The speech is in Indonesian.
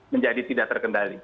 menjadi tidak terkendali